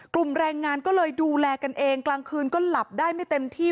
แรงงานก็เลยดูแลกันเองกลางคืนก็หลับได้ไม่เต็มที่